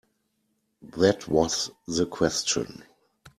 That was the question.